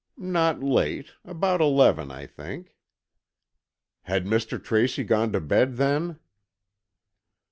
"Not late; about eleven, I think." "Had Mr. Tracy gone to bed then?"